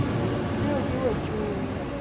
Ne ojiwo chunye.